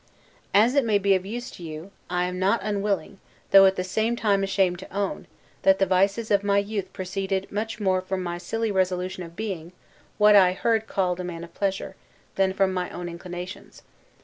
As it may be of use to you. I am not unwilling, though at the same time ashamed to own, that the vices of my youth proceeded much more from my silly resolution of being, what I heard called a man of pleasure, than from my own inclinations.